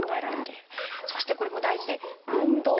そしてこれも大事で「運動」。